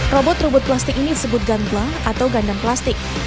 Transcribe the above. robot robot plastik ini disebut gundla atau gundam plastik